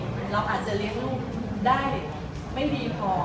เราอาจจะเลี้ยงลูกได้ไม่ดีพอ